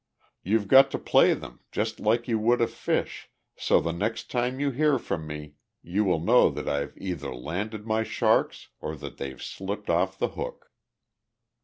You've got to play them, just like you would a fish, so the next time you hear from me you will know that I've either landed my sharks or that they've slipped off the hook!"